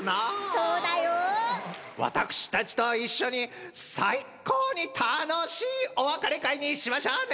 私たちと一緒に最高に楽しいお別れ会にしましょうね！